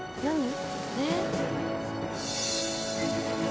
何？